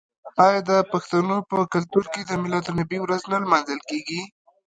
آیا د پښتنو په کلتور کې د میلاد النبي ورځ نه لمانځل کیږي؟